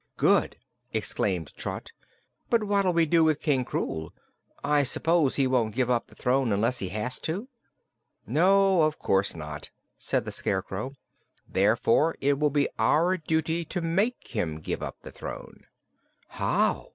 "Good!" exclaimed Trot. "But what'll we do with King Krewl? I s'pose he won't give up the throne unless he has to." "No, of course not," said the Scarecrow. "Therefore it will be our duty to make him give up the throne." "How?"